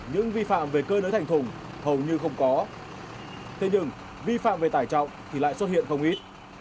những vi phạm về cơi nới thành thùng hầu như không có thế nhưng vi phạm về tải trọng thì lại xuất hiện không ít